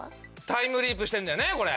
タイムリープしてんだよねこれ。